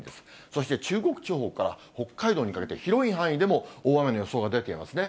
そして中国地方から北海道にかけて、広い範囲でも大雨の予想が出ていますね。